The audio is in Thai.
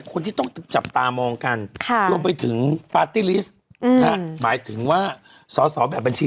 กันรวมไปถึงปลาสต์ติลิสแหละหมายถึงว่าส่อแบบบัญชี